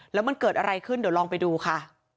แล้วมันเกิดอะไรขึ้นเดี๋ยวลองไปดูค่ะ